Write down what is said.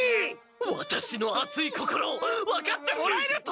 ワタシの熱い心を分かってもらえると！